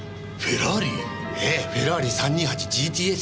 ええフェラーリ３２８ＧＴＳ。